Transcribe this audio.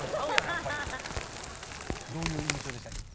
やっぱりどういう印象でした？